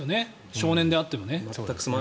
少年であっても。